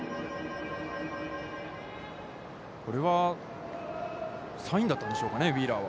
これはサインだったんでしょうかね、ウィーラーは。